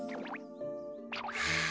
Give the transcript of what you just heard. はあ。